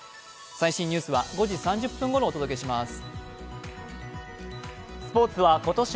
最新ニュースは５時３０分ごろお届けします。